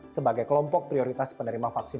sebagai kelompok prioritas penerima vaksin